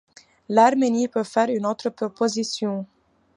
L'Arménie peut faire une autre proposition.